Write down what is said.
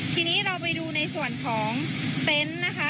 ทีนี้เราไปดูในส่วนของเต็นต์นะคะ